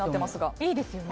いいですよね。